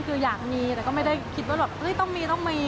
คืออยากมีแต่ก็ไม่ได้คิดว่าต้องมี